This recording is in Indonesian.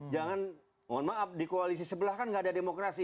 jangan mohon maaf di koalisi sebelah kan nggak ada demokrasi